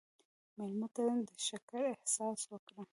مېلمه ته د شکر احساس ورکړه.